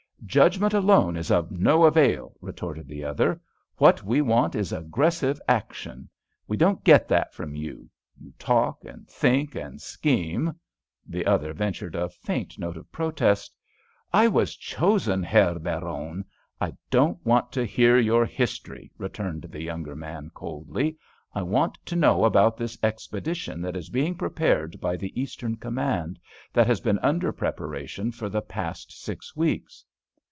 "Judgment alone is of no avail," retorted the other. "What we want is aggressive action. We don't get that from you—you talk, and think, and scheme——" The other ventured a faint note of protest. "I was chosen, Herr Baron——" "I don't want to hear your history," returned the younger man, coldly. "I want to know about this expedition that is being prepared by the Eastern Command, that has been under preparation for the past six weeks."